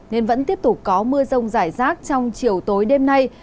nên vẫn tiếp tục có mưa rông rải rác trong chiều tối đêm nay